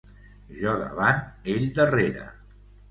Jo davant, ell darrere.